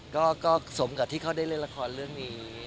ก็สมกับที่เขาได้เล่นละครเรื่องนี้